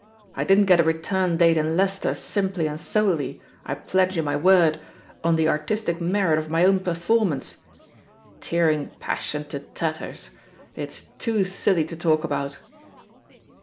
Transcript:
I didn't get a return date in Leicester simply and solely, I pledge you my word, on the artistic merit of my own perform ance J ^Tearing passion to tatters' 2 It's too silly to talk about."